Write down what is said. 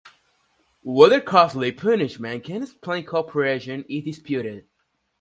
Whether costly punishment can explain cooperation is disputed.